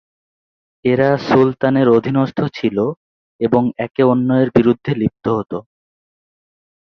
এরা সুলতানের অধীনস্থ ছিল এবং একে অন্যের বিরুদ্ধে লিপ্ত হত।